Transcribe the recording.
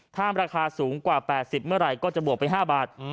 ถ้าราคาสูงกว่า๘๐เมื่อไหร่ก็จะบวกไป๕บาท